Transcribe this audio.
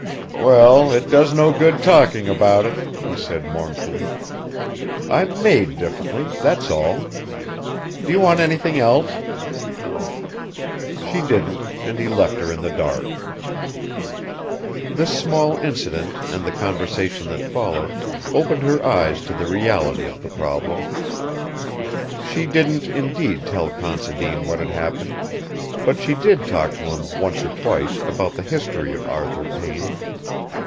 "Well, it does no good talking about it," he said mournfully. "I'm made differently, that's all. Do you want anything else?" She didn't, and he left her in the dark. This small incident and the conversation that followed opened her eyes to the reality of the problem. She didn't indeed tell Considine what had happened, but she did talk to him once or twice about the history of Arthur Payne.